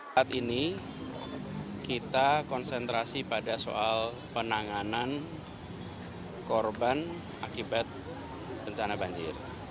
saat ini kita konsentrasi pada soal penanganan korban akibat bencana banjir